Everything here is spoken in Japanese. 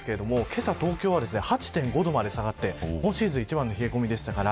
けさ東京は８．５度まで下がって今シーズン一番の冷え込みでした。